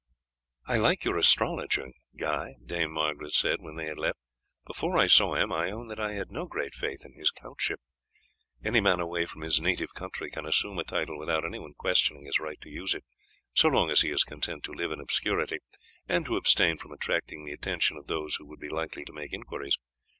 "I like your astrologer, Guy," Dame Margaret said when they had left. "Before I saw him I own that I had no great faith in his countship. Any man away from his native country can assume a title without anyone questioning his right to use it, so long as he is content to live in obscurity, and to abstain from attracting the attention of those who would be likely to make inquiries.